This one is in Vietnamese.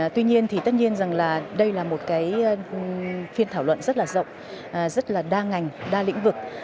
tuy nhiên thì tất nhiên rằng là đây là một cái phiên thảo luận rất là rộng rất là đa ngành đa lĩnh vực